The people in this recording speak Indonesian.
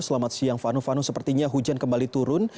selamat siang vanu vanu sepertinya hujan kembali turun